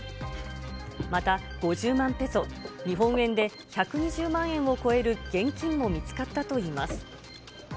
また、５０万ペソ、日本円で１２０万円を超える現金も見つかったといいます。